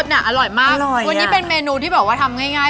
น่ะอร่อยมากวันนี้เป็นเมนูที่บอกทำง่าย